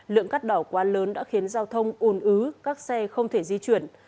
lượng cắt đỏ quá lớn đã khiến giao thông ồn ứ các xe không thể di chuyển